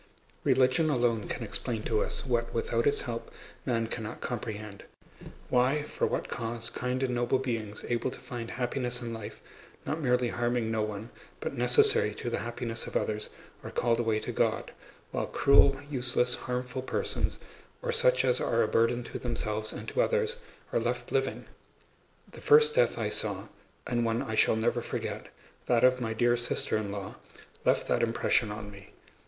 Religion alone can explain to us what without its help man cannot comprehend: why, for what cause, kind and noble beings able to find happiness in life—not merely harming no one but necessary to the happiness of others—are called away to God, while cruel, useless, harmful persons, or such as are a burden to themselves and to others, are left living. The first death I saw, and one I shall never forget—that of my dear sister in law—left that impression on me.